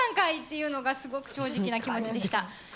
というのがすごく正直な気持ちでした。